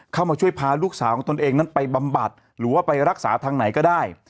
เข้ามาช่วยพาลูกสาวของตนเองนั้นไปบำบัดหรือว่าไปรักษาทางไหนก็ได้